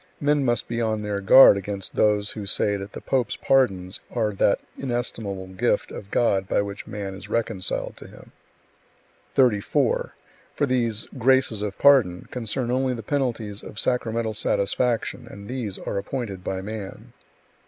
Men must be on their guard against those who say that the pope's pardons are that inestimable gift of God by which man is reconciled to Him; 34. For these "graces of pardon" concern only the penalties of sacramental satisfaction, and these are appointed by man.